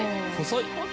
細い！